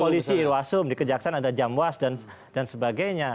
polisi ruasum di kejaksana ada jam was dan sebagainya